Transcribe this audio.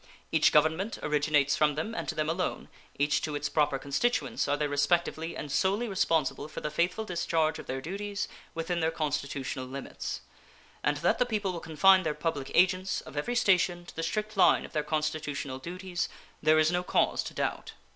Each Government originates from them, and to them alone, each to its proper constituents, are they respectively and solely responsible for the faithful discharge of their duties within their constitutional limits; and that the people will confine their public agents of every station to the strict line of their constitutional duties there is no cause of doubt.